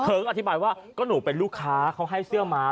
อธิบายว่าก็หนูเป็นลูกค้าเขาให้เสื้อม้า